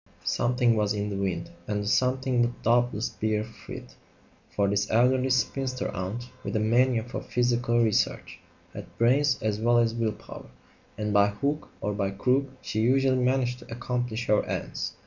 Something was in the wind, and the "something" would doubtless bear fruit; for this elderly spinster aunt, with a mania for psychical research, had brains as well as will power, and by hook or by crook she usually managed to accomplish her ends.